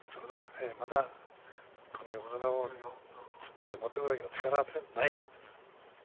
まだこの横綱を突っ張って持っていくだけの力はない。